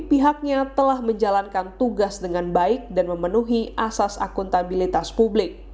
pihaknya telah menjalankan tugas dengan baik dan memenuhi asas akuntabilitas publik